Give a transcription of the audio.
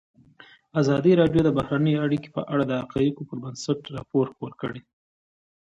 ازادي راډیو د بهرنۍ اړیکې په اړه د حقایقو پر بنسټ راپور خپور کړی.